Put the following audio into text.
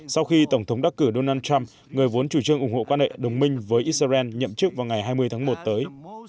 sau khi tổng thống đắc cử donald trump người vốn chủ trương ủng hộ quan hệ đồng minh với israel nhậm chức vào ngày hai mươi tháng một tới